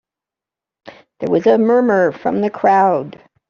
There was a murmur from the crowd.